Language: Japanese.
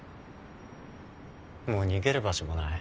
もう逃げる場所もない。